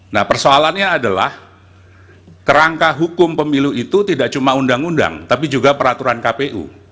nah persoalannya adalah kerangka hukum pemilu itu tidak cuma undang undang tapi juga peraturan kpu